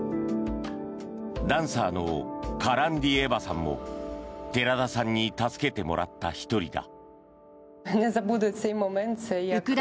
ダンサーのカランディエヴァさんも寺田さんに助けてもらった１人だ。